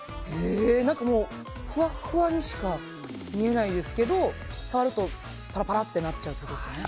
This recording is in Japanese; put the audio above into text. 何かもう、ふわふわにしか見えないですけど触ると、パラパラとなっちゃうということですね。